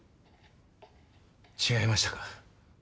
違いましたか。